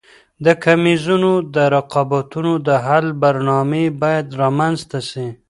د کميزونو او رقابتونو د حل برنامې باید رامنځته سي.